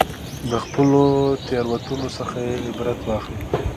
د خپلو تېروتنو څخه عبرت واخلئ.